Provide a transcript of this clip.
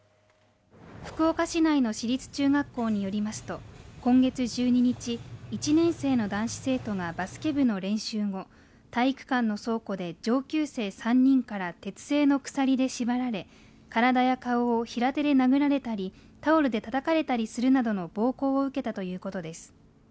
福岡市内の私立中学校によりますと、今月１２日、１年生の男子生徒がバスケ部の練習後、体育館の倉庫で上級生３人から鉄製の鎖で縛られ、体や顔を平手で殴られたりタオルでたたかれたりするなどの暴行を受けたということです。